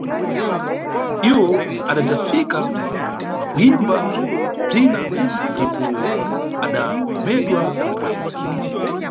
Iwo adadzafika pa kuyimba, kubzina ndipo adakomedwa kwenekwene.